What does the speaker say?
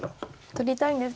取りたいんですけどね。